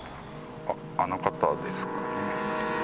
あっあの方ですかね。